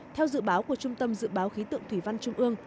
theo dự báo của trung tâm dự báo khí tượng thủy văn trung ương